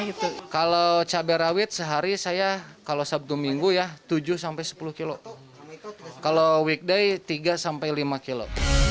itu kalau cabai rawit sehari saya kalau sabtu minggu ya tujuh sepuluh kg kalau weekday tiga sampai lima kilo